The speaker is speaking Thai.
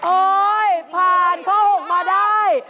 โอ๊ยผ่านข้อโหกมาได้